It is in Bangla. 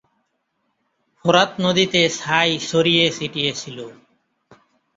ফোরাত নদীতে ছাই ছড়িয়ে ছিটিয়ে ছিল।